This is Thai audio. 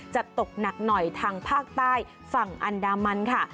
จะตกหนักหน่อยทางภาคใต้ฝั่งอันดามันค่ะ